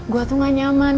gue tuh gak nyaman